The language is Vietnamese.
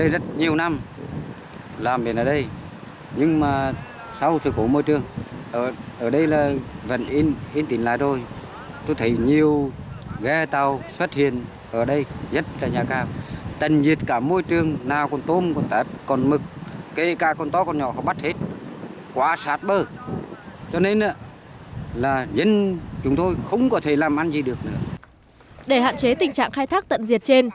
để hạn chế tình trạng khai thác tận diệt trên